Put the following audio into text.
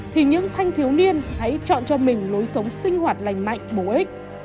thì những thanh thiếu niên hãy chọn cho mình lối sống sinh hoạt lành mạnh bổ ích